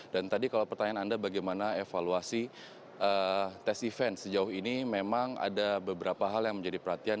dan tadi kalau pertanyaan anda bagaimana evaluasi tes event sejauh ini memang ada beberapa hal yang menjadi perhatian